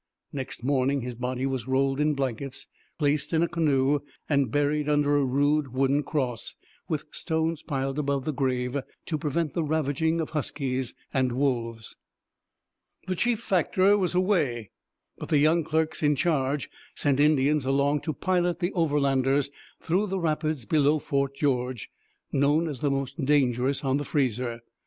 Next morning the body was rolled in blankets, placed in a canoe, and buried under a rude wooden cross, with stones piled above the grave to prevent the ravaging of huskies and wolves. The chief factor was away, but the young clerks in charge sent Indians along to pilot the Overlanders through the rapids below Fort George, known as the most dangerous on the Fraser.